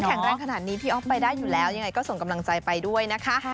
แข็งแรงขนาดนี้พี่อ๊อฟไปได้อยู่แล้วยังไงก็ส่งกำลังใจไปด้วยนะคะ